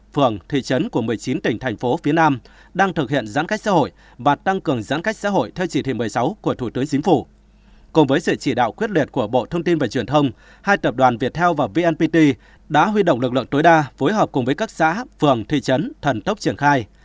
với sự chỉ đạo quyết liệt của bộ thông tin và truyền thông hai tập đoàn viettel và vnpt đã huy động lực lượng tối đa phối hợp cùng với các xã phường thị trấn thần tốc triển khai